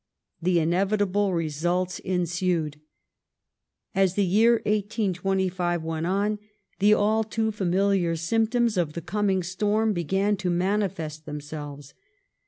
The inevitable results ensued. As the year 1825 went on, the all too familiar symptoms of the coming storm began to manifest themselves.